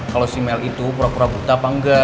kalo si mel itu pura pura buta apa engga